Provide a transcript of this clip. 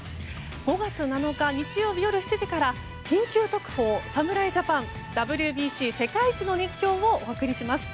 ５月７日、日曜日夜７時から「緊急特報！侍ジャパンＷＢＣ世界一の熱狂！」をお送りします。